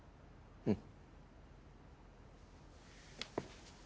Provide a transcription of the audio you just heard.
うん。